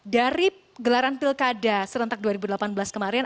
dari gelaran pilkada serentak dua ribu delapan belas kemarin